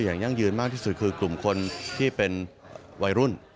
ยั่งยืนมากที่สุดคือกลุ่มคนที่เป็นวัยรุ่น